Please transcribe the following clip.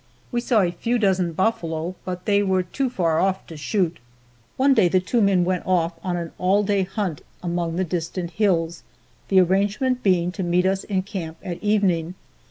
We saw a few dozen buffalo, but they were too far off to shoot. One day the two men went off on an all day hunt among the distant hills, the arrangement being to meet us in camp at evening.